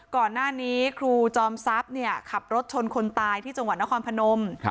ก่อนหน้านี้ครูจอมทรัพย์ขับรถชนคนตายที่จังหวัดนครพนม